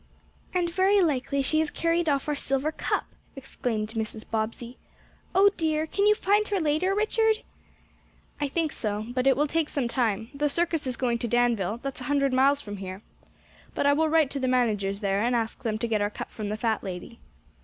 "And, very likely, she has carried off our silver cup," exclaimed Mrs. Bobbsey. "Oh dear! Can you find her later, Richard?" "I think so. But it will take some time. The circus is going to Danville that's a hundred miles from here. But I will write to the managers there, and ask them to get our cup from the fat lady."